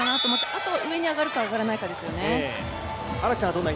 あと上に上がるか、上がらないかですよね。